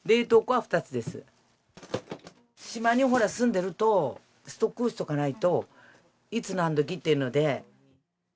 島に住んでいるとストックをしておかないといつなんどきっていうので。